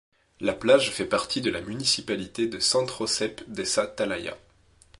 La plage fait partie de la municipalité de Sant Josep de sa Talaia.